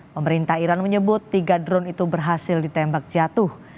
pemerintah iran menyebut tiga drone itu berhasil ditembak jatuh